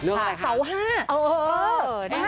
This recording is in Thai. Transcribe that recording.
เรื่องอะไรคะ